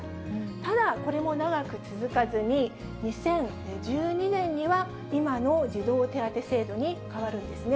ただ、これも長く続かずに、２０１２年には、今の児童手当制度に変わるんですね。